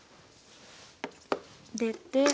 出て。